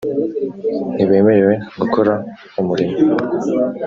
ntibemerewe gukora umurimo